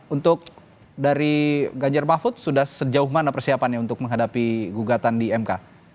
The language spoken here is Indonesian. untuk dari ganjar mahfud sudah sejauh mana persiapannya untuk menghadapi gugatan di mk